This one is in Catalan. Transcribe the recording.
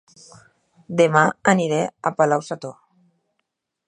Dema aniré a Palau-sator